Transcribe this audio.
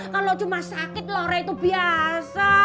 kalau cuma sakit lore itu biasa